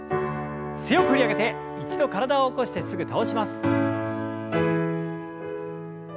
強く振り上げて一度体を起こしてすぐ倒します。